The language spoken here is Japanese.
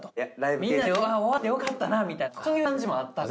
みんなで終わってよかったなみたいなそういう感じもあったのよ。